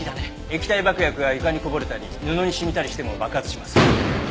液体爆薬が床にこぼれたり布に染みたりしても爆発します。